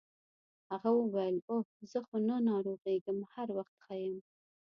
هغه وویل اوه زه خو نه ناروغیږم هر وخت ښه یم.